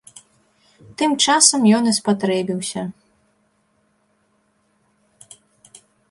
Тым часам ён і спатрэбіўся.